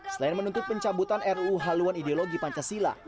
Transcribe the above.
selain menuntut pencabutan ruu haluan ideologi pancasila